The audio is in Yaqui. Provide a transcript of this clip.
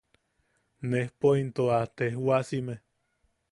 Nejpo into a tejwasime.